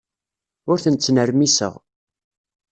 Ur ten-ttnermiseɣ.